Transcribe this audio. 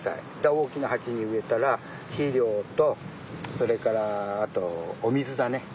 大きなはちにうえたらひりょうとそれからあとお水だね。